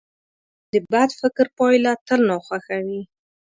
د بد فکر پایله تل ناخوښه وي.